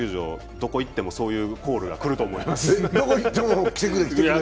どこに行ってもそういうコールは来ると思います。